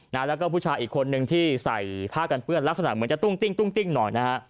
แล้วก็ผู้ชายอีกคนนึงที่ใส่ผ้ากันเปื้อนลักษณะเหมือนจะตุ้งติ้งตุ้งติ้งหน่อยนะฮะ